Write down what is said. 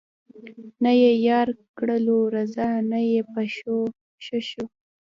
نه یې یار کړلو رضا نه یې په ښه شو